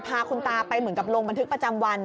พาคุณตาไปเหมือนกับลงบันทึกประจำวัน